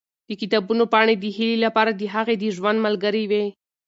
د کتابونو پاڼې د هیلې لپاره د هغې د ژوند ملګرې وې.